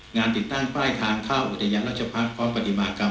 งานติดตั้งป้ายทางเข้าอุทยานราชพักษ์พร้อมปฏิมากรรม